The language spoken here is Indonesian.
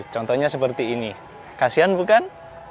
contohnya seperti ini kasian bukan